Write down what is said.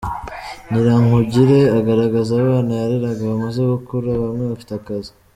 Ngirankugire agaragaza abana yareraga bamaze gukura, bamwe bafite akazi.